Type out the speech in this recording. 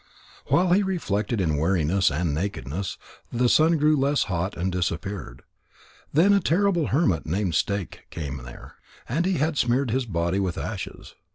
While he reflected in weariness and nakedness, the sun grew less hot and disappeared. Then a terrible hermit named Stake came there, and he had smeared his body with ashes.